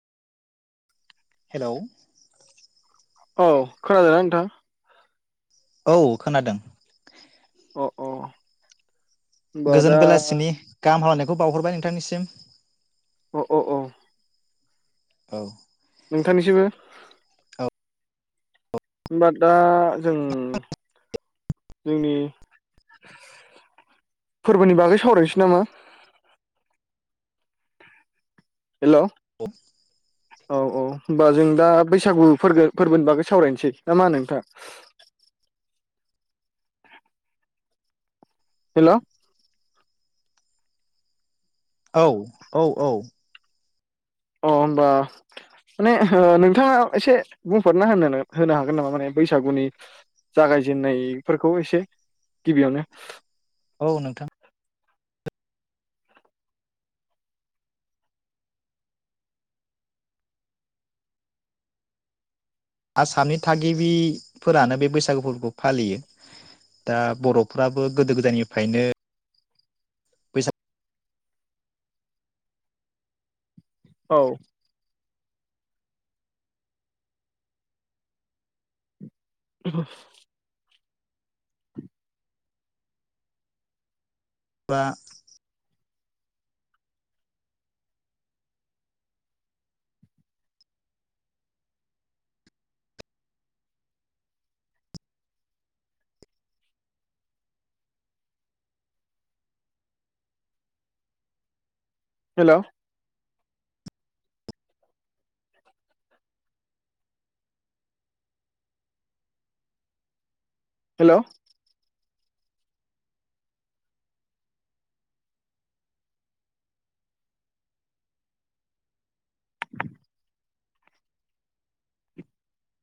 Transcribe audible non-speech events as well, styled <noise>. हेल' औ खोनादो ना नोंथां? औ खोनादों। अ अ। गोजोन दा बेलासिनि गाहाम हाम खौ बावहरबाय नोंथांनिसिम। अ अ अ। औ। नोंथांनिसिबो हमबा दा जों जोंनि फोर्बोनि बागै सावरायनसै नामा? हेल' अ औ औ होनोमबा जों दा बैसागु फोरगो फोर्बोनिबो बागै सावरायनसै ना मा नोंथाङा? हेल' औ औ औ अ होमबा माने ओ नोंथाङा एसे बुंफोरना होनोननो होनो हागोन नामा माने बैसागुनि जागायजेन्नायफोरखौ एसे गिबियावनो? औ नोंथां आसामनि थागिबिफोरानो बे बैसागु फोर्बोखौ फालियो दा बर'फोराबो गोदो गोदायनिफायनो- फैसाब औ। <inaudible> बा हेल' हेल'